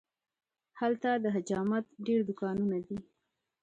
هلته د حجامت ډېر دوکانونه دي.